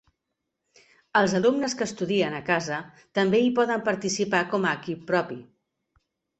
Els alumnes que estudien a casa també hi poden participar com a equip propi.